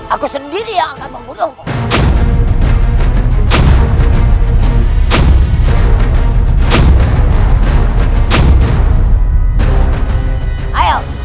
aku sendiri yang akan membunuhmu